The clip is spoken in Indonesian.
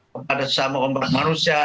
kepada sesama umat manusia